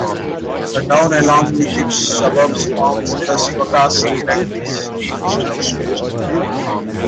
The town along with its suburbs forms the Sivakasi Electricity Distribution Circle.